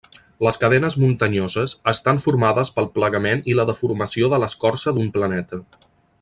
Les cadenes muntanyoses estan formades pel plegament i la deformació de l'escorça d'un planeta.